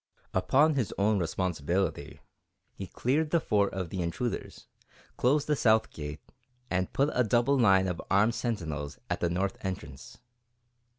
Upon his own responsibility, he cleared the Fort of the intruders, closed the south gate, and put a double line of armed sentinels at the north entrance.